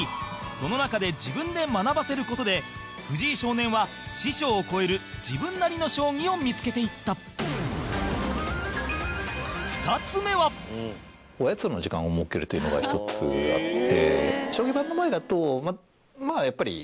その中で自分で学ばせる事で藤井少年は、師匠を超える自分なりの将棋を見付けていった２つ目はおやつの時間を設けるというのが１つあって。